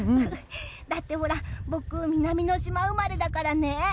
だってほら僕、南の島生まれだからね。